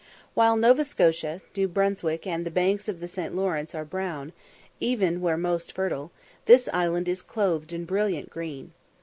While Nova Scotia, New Brunswick, and the banks of the St. Lawrence are brown, even where most fertile, this island is clothed in brilliant green.